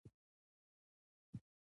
د بولان پټي د افغان کلتور سره تړاو لري.